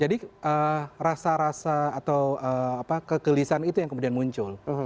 jadi rasa rasa atau kekelisan itu yang kemudian muncul